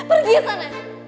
pergi aja sam